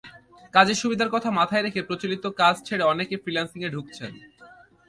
কাজের সুবিধার কথা মাথায় রেখে প্রচলিত কাজ ছেড়ে অনেকেই ফ্রিল্যান্সিংয়ে ঢুকছেন।